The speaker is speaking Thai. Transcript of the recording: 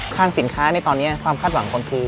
ทางสินค้าในตอนนี้ความคาดหวังคนคือ